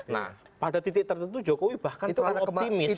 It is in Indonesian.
nah pada titik tertentu jokowi bahkan terlalu optimis